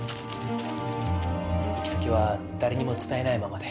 行き先は誰にも伝えないままで。